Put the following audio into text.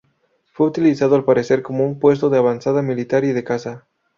Fue utilizado al parecer como un puesto de avanzada militar y de caza.